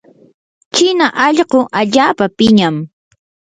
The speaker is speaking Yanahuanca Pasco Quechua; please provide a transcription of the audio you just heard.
china allquu allaapa piñam.